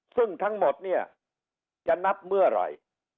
ซึ่งทั้งหมดเนี่ยจะนับเมื่อไหร่